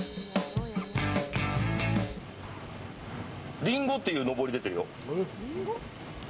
リンゴっていうのぼり出てるよ。